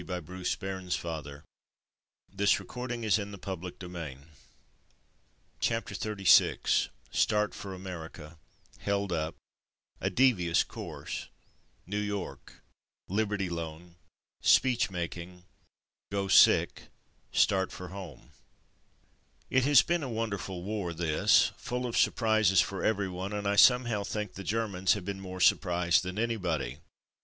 I went, and so begin the closing chapters of my war career. 19 CHAPTER XXXVI START FOR AMERICA — HELD UP — ^A DEVIOUS COURSE NEW YORK LIBERTY LOAN SPEECH MAKING GO SICK — START FOR HOME It has been a wonderful war this, full of surprises for everyone, and I somehow think the Germans have been more surprised than anybody.